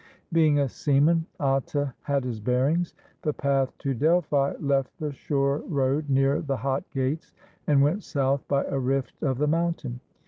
Being a seaman, Atta had his bearings. The path to Delphi left the shore road near the Hot Gates, and went south by a rift of the mountain.